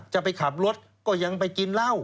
จะไปขับรถก็ยังไปกินเหล้า